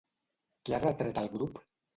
Què ha retret al grup?